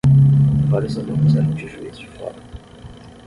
Vários alunos eram de Juíz de Fora.